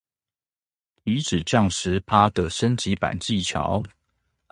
體脂降十趴的升級版技巧